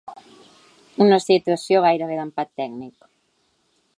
Una situació gairebé d’empat tècnic.